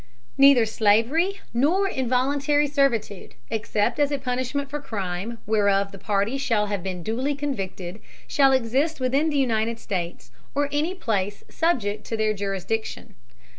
Neither slavery nor involuntary servitude, except as a punishment for crime whereof the party shall have been duly convicted, shall exist within the United States, or any place subject to their jurisdiction.